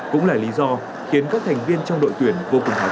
cũng là lý do khiến các thành viên trong đội tuyển vô cùng hài hống